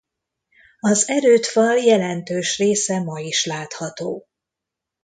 Az erődfal jelentős része ma is látható.